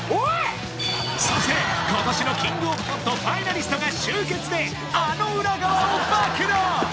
そして今年のキングオブコントファイナリストが集結であの裏側を暴露！